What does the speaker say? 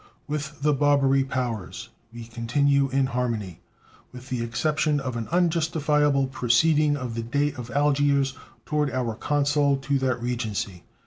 With the Barbary Powers we continue in harmony, with the exception of an unjustifiable proceeding of the Dey of Algiers toward our consul to that Regency.